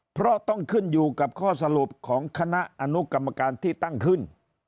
เพราะต้องขึ้นอยู่กับข้อสรุปของคณะอนุกรรมการที่ตั้งขึ้น